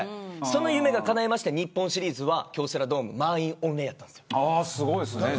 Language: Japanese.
その夢がかなって日本シリーズは京セラドーム満員御礼でした。